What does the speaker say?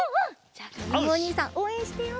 じゃあかずむおにいさんおうえんしてよう